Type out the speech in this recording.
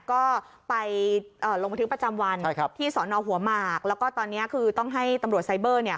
ก็ไปลงบันทึกประจำวันที่สอนอหัวหมากแล้วก็ตอนนี้คือต้องให้ตำรวจไซเบอร์เนี่ย